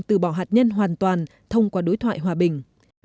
từ bỏ hạt nhân hoàn toàn thông qua đối thoại hòa bình